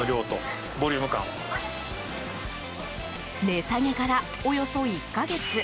値下げから、およそ１か月。